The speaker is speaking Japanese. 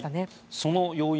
その要因